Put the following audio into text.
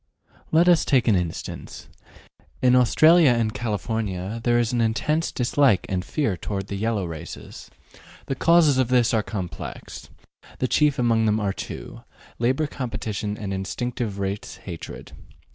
Let us take an instance. In Australia and California there is an intense dislike and fear toward the yellow races. The causes of this are complex; the chief among them are two, labor competition and instinctive race hatred.